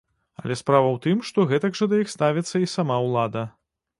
Але справа ў тым, што гэтак жа да іх ставіцца і сама ўлада.